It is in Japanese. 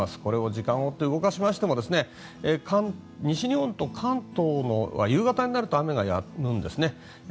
時間を追って動かしましても西日本と関東は夕方になると雨がやむんですね。